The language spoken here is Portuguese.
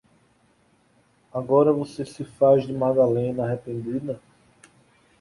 Agora você se faz de Madalena arrependida?